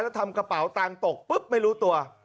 แล้วทำกระเป๋าตังค์ตกปุ๊บไม่รู้ตัว